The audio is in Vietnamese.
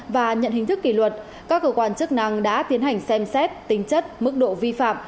và nhận hình thức kỷ luật các cơ quan chức năng đã tiến hành xem xét tính chất mức độ vi phạm